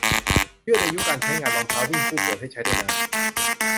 ยืดอายุการใช้งานรองเท้าวิ่งคู่โปรดให้ใช้ได้นาน